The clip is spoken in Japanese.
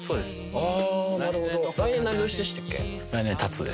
あなるほど。